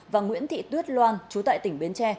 và nguyễn thị tuyết loan chú tại tỉnh bến tre